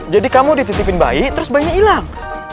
jadi kamu dititipin baik terus banyak hilang